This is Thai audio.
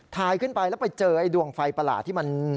ขึ้นไปแล้วไปเจอไอ้ดวงไฟประหลาดที่มัน